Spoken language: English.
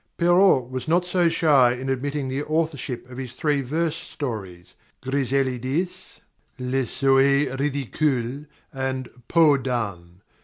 _ _Perrault was not so shy in admitting the authorship of his three verse stories "Griselidis," "Les Souhaits Ridicules," and "Peau d'Asne."